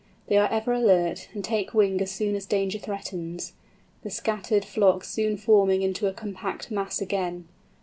They are ever alert, and take wing as soon as danger threatens, the scattered flock soon forming into a compact mass again.